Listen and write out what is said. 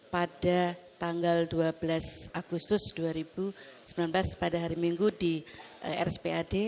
pada tanggal dua belas agustus dua ribu sembilan belas pada hari minggu di rspad